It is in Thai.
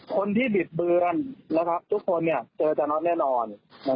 คนที่บิดเบือนทุกคนเจอจันทร์แน่นอน